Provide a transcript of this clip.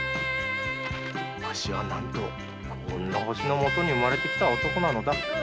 わしは何と幸運な星のもとに生まれてきた男なのだ。